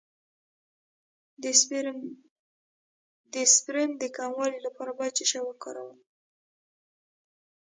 د سپرم د کموالي لپاره باید څه شی وکاروم؟